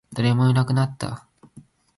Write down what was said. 誰もいなくなった